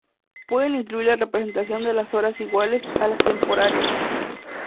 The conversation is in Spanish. Pueden incluir la representación de las horas iguales o las temporarias.